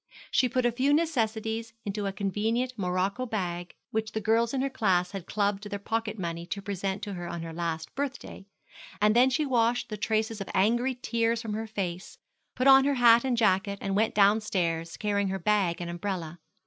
She put a few necessaries into a convenient morocco bag, which the girls in her class had clubbed their pocket money to present to her on her last birthday; and then she washed the traces of angry tears from her face, put on her hat and jacket, and went downstairs, carrying her bag and umbrella.